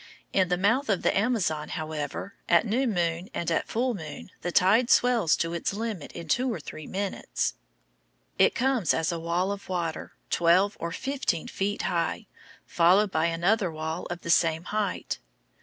In the mouth of the Amazon, however, at new moon and at full moon the tide swells to its limit in two or three minutes. It comes as a wall of water, twelve or fifteen feet high, followed by another wall of the same height.